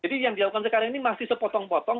jadi yang dilakukan sekarang ini masih sepotong potong